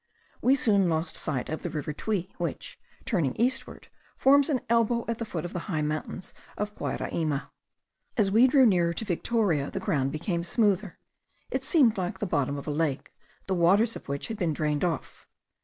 We soon lost sight of the river Tuy, which, turning eastward, forms an elbow at the foot of the high mountains of Guayraima. As we drew nearer to Victoria the ground became smoother; it seemed like the bottom of a lake, the waters of which had been drained off.